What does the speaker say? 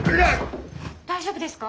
大丈夫ですか？